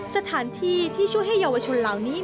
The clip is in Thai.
สถานที่ที่ช่วยให้เยาวชนเหล่านี้